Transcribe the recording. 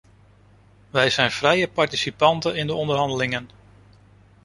Wij zijn vrije participanten in de onderhandelingen.